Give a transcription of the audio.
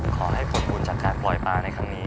ขอให้ผลบุญจากการปล่อยปลาในครั้งนี้